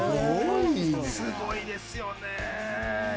すごいですよね。